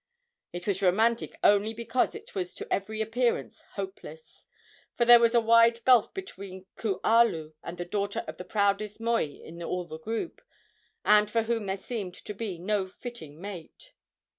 It was romantic only because it was to every appearance hopeless, for there was a wide gulf between Kualu and the daughter of the proudest moi in all the group, and for whom there seemed to be no fitting mate.